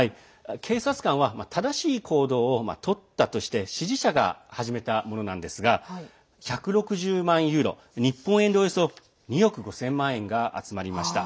警察官は正しい行動を取ったとして支持者が始めたものなんですが１６０万ユーロ、日本円でおよそ２億５０００万円が集まりました。